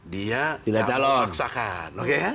dia tidak mau diperksakan